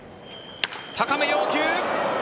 高め要求。